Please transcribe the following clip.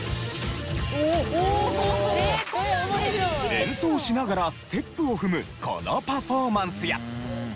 演奏しながらステップを踏むこのパフォーマンスや。